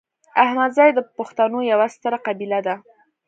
احمدزي د پښتنو یوه ستره قبیله ده